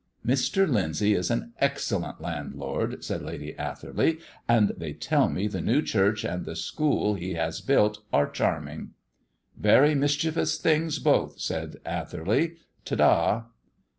"Mr. Lyndsay is an excellent landlord," said Lady Atherley; "and they tell me the new church and the schools he has built are charming." "Very mischievous things both," said Atherley. "Ta ta."